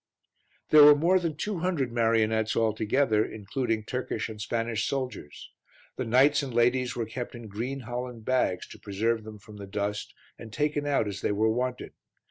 There were more than two hundred marionettes altogether, including Turkish and Spanish soldiers. The knights and ladies were kept in green holland bags to preserve them from the dust, and taken out as they were wanted.